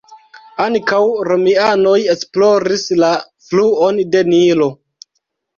Ankaŭ romianoj esploris la fluon de Nilo.